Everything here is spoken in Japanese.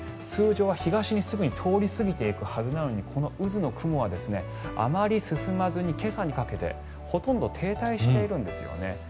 通常は東にすぐに通り抜けていくはずなのにこの渦の雲はあまり進まずに今朝にかけて、ほとんど停滞しているんですよね。